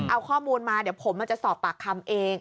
เอาข้อมูลมาเดี๋ยวผมจะสอบปากคำเอง